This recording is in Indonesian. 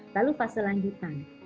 lalu fase lanjutan